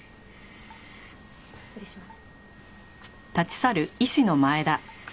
失礼します。